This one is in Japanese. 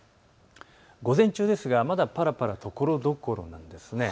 午前中ですがまだぱらぱらとところどころなんです。